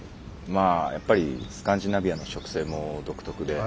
まあやっぱりスカンディナビアの植生も独特で。